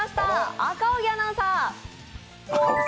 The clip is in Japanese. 赤荻アナウンサー！